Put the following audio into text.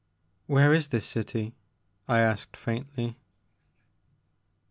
Where is this city ?*' I asked faintly.